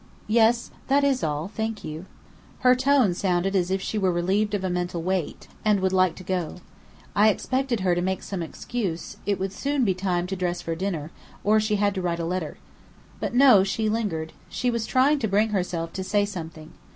"Yes, that is all, thank you." Her tone sounded as if she were relieved of a mental weight, and would like to go. I expected her to make some excuse: it would soon be time to dress for dinner: or she had a letter to write. But no, she lingered. She was trying to bring herself to say something.